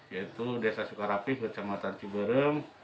yaitu desa sukarapi kecamatan ciberem